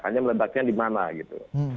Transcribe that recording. hanya meledaknya dimana gitu